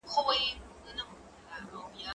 زه بايد چپنه پاک کړم